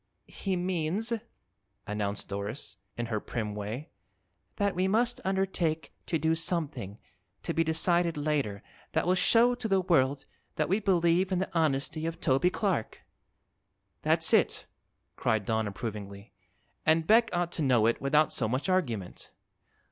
"He means," announced Doris, in her prim way, "that we must undertake to do something, to be decided later, that will show to the world that we believe in the honesty of Toby Clark." "That's it!" cried Don approvingly; "an' Beck ought to know it without so much argument."